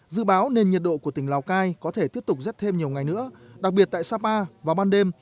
dự báo nền nhiệt độ của tỉnh lào cai có thể tiếp tục rét thêm nhiều ngày nữa đặc biệt tại sapa vào ban đêm